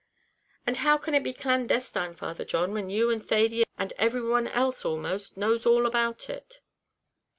"And how can it be clandestine, Father John, when you and Thady, and every one else almost, knows all about it?"